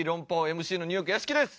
ＭＣのニューヨーク屋敷です。